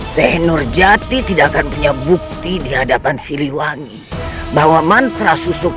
seinur jati tidak akan punya bukti di hadapan siliwangi bahwa mantra susuk